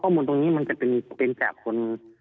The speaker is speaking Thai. ข้อมูลตรงนี้มันจะเป็นแจ้ง